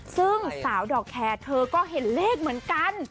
ซึ่งสาวดอกแคร์เธอก็เห็นเลขเหมือนกัน